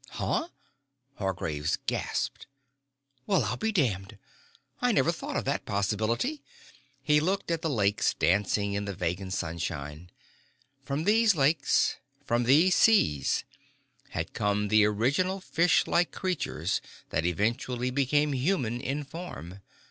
"Huh?" Hargraves gasped. "Well, I'll be damned! I never thought of that possibility." He looked at the lakes dancing in the Vegan sunshine. From these lakes, from these seas, had come the original fish like creature that eventually became human in form!